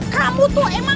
kamu tuh emang